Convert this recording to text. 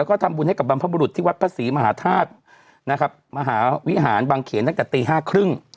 แล้วก็ทำบุญให้กับบรรพบุรุษที่วัดพระศรีมหาธาตุนะครับมหาวิหารบางเขนตั้งแต่ตีห้าครึ่ง